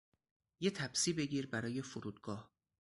یه تپسی بگیر برای فرودگاه